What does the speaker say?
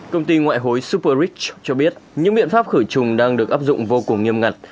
công ty ngoại hối superics cho biết những biện pháp khử trùng đang được áp dụng vô cùng nghiêm ngặt